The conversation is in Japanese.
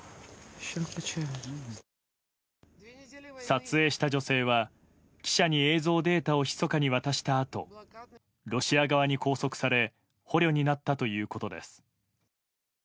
撮影した女性は記者に映像データをひそかに渡したあとロシア側に拘束され捕虜になったということです。